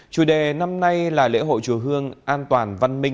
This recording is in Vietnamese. chủ đề năm nay là lễ hội chùa hương an toàn văn minh